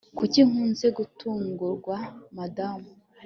kuki nkunze gutungurwa, madamu